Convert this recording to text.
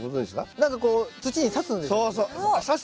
なんかこう土に刺すんですよね。